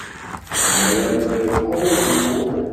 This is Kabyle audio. D lawan n leqḍ uzemmur.